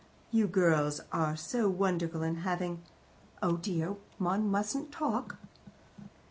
"You girls are so wonderful in always having Oh dear! one mustn't talk."